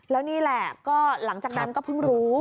แล้วนี่แหละก็หลังจากนั้นก็เพิ่งรู้